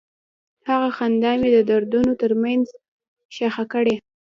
هغه خندا مې د دردونو تر منځ ښخ کړه.